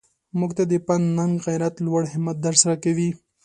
موږ ته د پند ننګ غیرت لوړ همت درس راکوي.